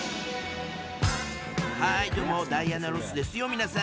はいどうもダイアナ・ロスですよ、皆さん。